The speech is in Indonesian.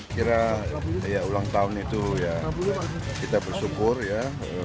kira ulang tahun itu ya kita bersyukur ya